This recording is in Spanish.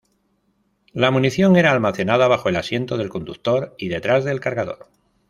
La munición era almacenada bajo el asiento del conductor y detrás del cargador.